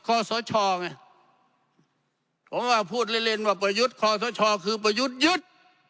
ผมก็พูดเล่นว่าปยุทธ์ขอโธชอคือปยุทธ์ยุทธ์